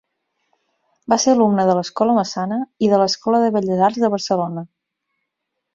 Va ser alumne de l'Escola Massana i de l'Escola de Belles Arts de Barcelona.